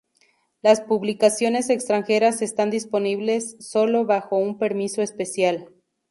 Las publicaciones extranjeras están disponibles sólo bajo un permiso especial.